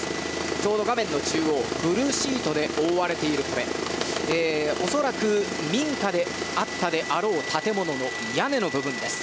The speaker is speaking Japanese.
ちょうど画面中央ブルーシートで覆われているところ恐らく民家であったであろう建物の屋根の部分です。